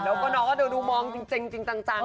แล้วน้องก็จริงจริงจังจัง